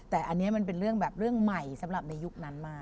แต่อันนี้มันเป็นเรื่องแบบเรื่องใหม่สำหรับในยุคนั้นมา